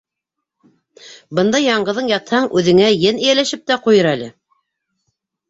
— Бында яңғыҙың ятһаң, үҙеңә ен эйәләшеп тә ҡуйыр әле!